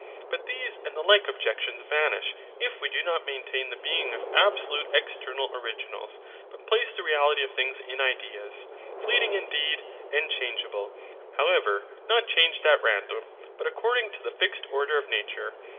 But these and the like objections vanish, if we do not maintain the being of absolute external originals, but place the reality of things in ideas, fleeting indeed, and changeable; however, not changed at random, but according to the fixed order of nature.